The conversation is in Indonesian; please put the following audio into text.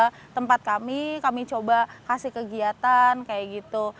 dia bilang kita mau ke tempat kami kami coba kasih kegiatan kayak gitu